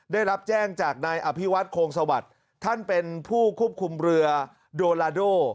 ได้รับแจ้งจากนายอภิวัตโคงสวัสดิ์ท่านเป็นผู้ควบคุมเรือโดลาโด